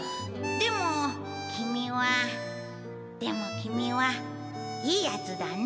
でも、君はでも、君はいいやつだな。